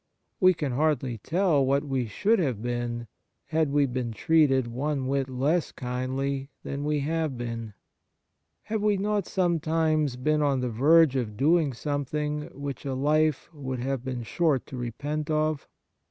We can hardly tell what we should Kind Actions 8g have been had we been treated one whit less kindly than we have been. Have we not sometimes been on the verge of doing some thing which a life would have been short to repent of?